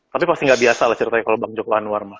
tapi pasti gak biasa lah ceritanya kalau bang joko anwar